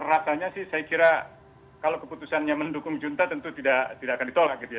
rasanya sih saya kira kalau keputusannya mendukung junta tentu tidak akan ditolak gitu ya